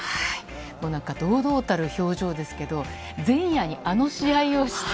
なんか堂々たる表情ですけど、前夜にあの試合をして、